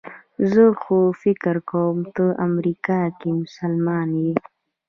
زه خو فکر کوم ته امریکایي مسلمانه یې.